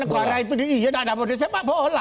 negara itu iya enggak ada boleh sepak bola